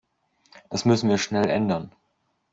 Das müssen wir schnell ändern!